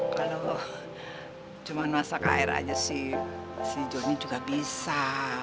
kalo cuma masak air aja sih si joni juga bisa